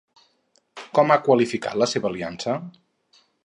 Com ha qualificat la seva aliança?